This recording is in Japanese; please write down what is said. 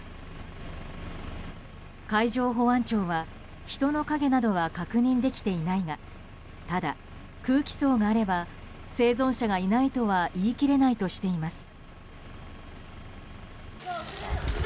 海上保安庁は人の影などは確認できていないがただ、空気層があれば生存者がいないとは言い切れないとしています。